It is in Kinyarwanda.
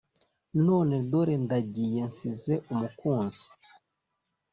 None dore ndagiye Nsize umukunzi